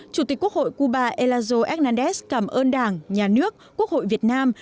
chủ tịch quốc hội cuba elazo agndez cảm ơn đảng nhà nước quốc hội việt nam